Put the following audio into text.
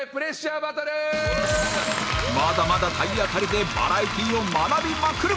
まだまだ体当たりでバラエティを学びまくる！